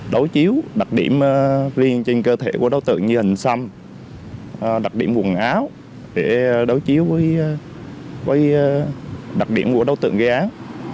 đối chiếu đặc điểm riêng trên cơ thể của đối tượng như hình xăm đặc điểm quần áo để đối chiếu với đặc điểm của đối tượng gây án